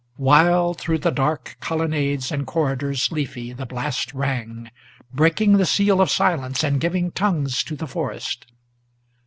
Wild through the dark colonnades and corridors leafy the blast rang, Breaking the seal of silence, and giving tongues to the forest.